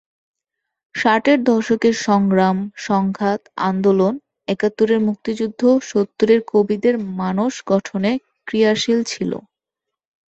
ষাটের দশকের সংগ্রাম, সংঘাত, আন্দোলন, একাত্তরের মুক্তিযুদ্ধ সত্তরের কবিদের মানস গঠনে ক্রিয়াশীল ছিল।